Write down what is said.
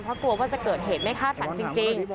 เพราะกลัวว่าจะเกิดเหตุไม่คาดฝันจริง